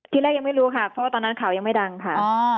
ที่แรกยังไม่รู้ค่ะเพราะว่าตอนนั้นข่าวยังไม่ดังค่ะ